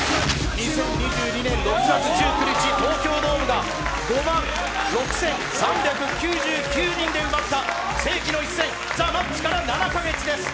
２０２２年６月１９日、東京ドームが５万６３９９人で埋まった世紀の一戦、ザ・マッチから７かげつです。